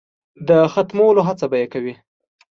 د ختمولو هڅه به یې کوي.